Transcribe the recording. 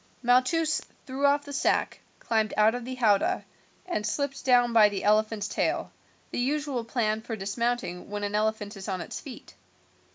Malchus threw off the sack, climbed out of the howdah, and slipped down by the elephant's tail, the usual plan for dismounting when an elephant is on its feet.